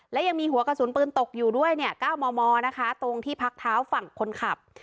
และยังมีหัวกระสุนปืนตกอยู่ด้วยเนี่ย๙มมนะคะตรงที่พักเท้าฝั่งคนขับ